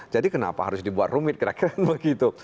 jadi kenapa harus dibuat rumit kira kira begitu